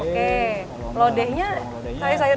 oke lodehnya sayur sayur